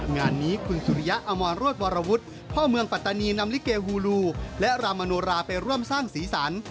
งานนี้คุณสุริยะอมรวชวรวรวุฒิ